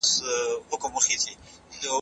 انسان تر پرشتو غوره دی ځکه علم لري.